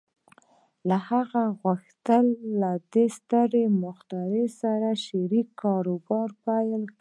هغه غوښتل له دغه ستر مخترع سره شريک کاروبار پيل کړي.